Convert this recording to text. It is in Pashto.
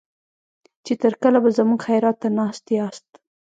چې تر کله به زموږ خيرات ته ناست ياست.